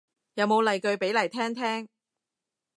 有冇例句俾嚟聽聽